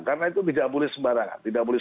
karena itu tidak boleh sembarangan tidak boleh